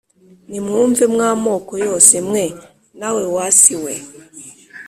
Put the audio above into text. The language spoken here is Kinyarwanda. Nimwumve mwa moko yose mwe nawe wa si we